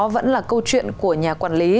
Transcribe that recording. vẫn là câu chuyện của nhà quản lý